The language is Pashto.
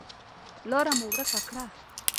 لار مو ورکه کړه .